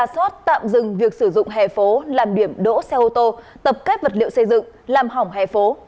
nó tạm dừng việc sử dụng hề phố làm điểm đỗ xe ô tô tập kết vật liệu xây dựng làm hỏng hề phố